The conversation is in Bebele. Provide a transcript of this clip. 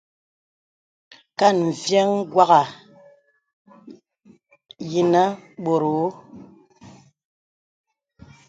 Kan mvìəŋ wàghà ayìnə bɔ̄t ōō.